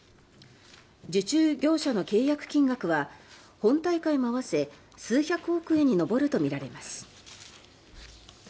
受注業者の契約金額は本大会も合わせ数百億円に上るとみられます。